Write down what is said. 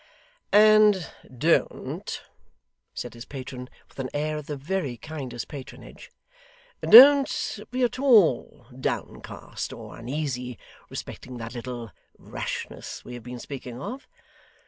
'And don't,' said his patron, with an air of the very kindest patronage, 'don't be at all downcast or uneasy respecting that little rashness we have been speaking of.